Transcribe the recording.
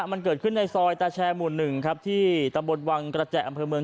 มันเกิดขึ้นในซอยตาแชร์หมู่๑ครับที่ตำบลวังกระแจอำเภอเมือง